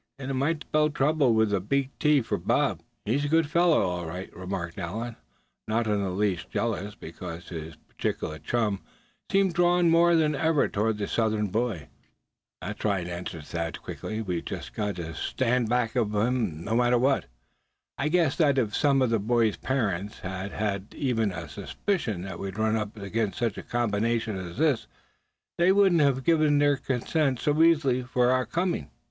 And it might spell trouble with a big T for Bob." "He's a good fellow, all right," remarked Allan, not in the least jealous because his particular chum seemed drawn more than ever toward the Southern boy. "That's right," answered Thad, quickly; "and we've just got to stand back of him, no matter what happens. I guess that if some of the boys' parents had had even half a suspicion that we'd run up against such a combination as this, they wouldn't have given their consent so easily to our coming!"